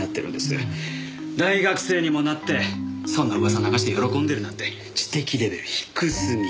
大学生にもなってそんな噂を流して喜んでるなんて知的レベル低すぎ。